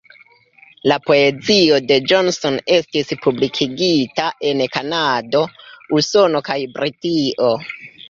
La poezio de Johnson estis publikigita en Kanado, Usono kaj Britio.